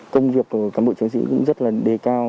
công việc của cán bộ chiến sĩ cũng rất là đề cao